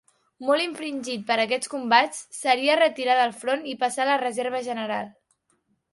Molt infringit per aquests combats, seria retirat del front i passat a la reserva general.